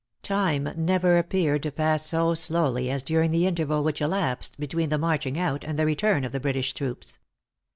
Time never appeared to pass so slowly as during the interval which elapsed between the marching out and the return of the British troops.